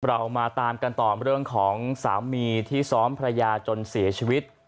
เรามาตามกันต่อเรื่องของสามีที่ซ้อมภรรยาจนเสียชีวิต